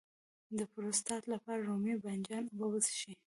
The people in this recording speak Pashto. د پروستات لپاره د رومي بانجان اوبه وڅښئ